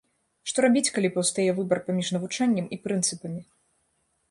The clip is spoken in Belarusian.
Што рабіць, калі паўстае выбар паміж навучаннем і прынцыпамі?